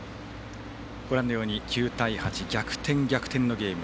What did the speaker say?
ご覧のように９対８逆転、逆転のゲーム。